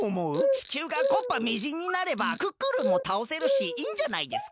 地球がこっぱみじんになればクックルンもたおせるしいいんじゃないですか？